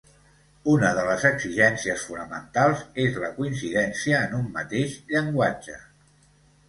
Una de les exigències fonamentals és la coincidència en un mateix llenguatge.